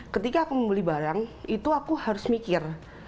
ketika aku membeli barang itu aku harus mikir